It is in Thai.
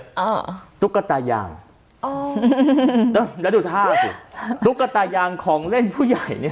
อ่าตุ๊กตายางอ๋อแล้วแล้วดูท่าสิตุ๊กตายางของเล่นผู้ใหญ่เนี้ย